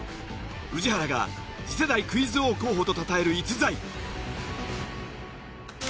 宇治原が次世代クイズ王候補とたたえる逸材。